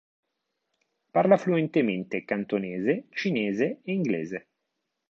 Parla fluentemente cantonese, cinese e inglese.